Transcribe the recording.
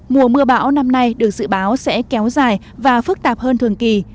mùa mưa bão năm nay được dự báo sẽ kéo dài và phức tạp hơn thường kỳ